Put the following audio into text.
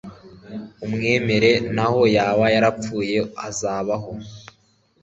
umwemera n'aho yaba yarapfuye azabaho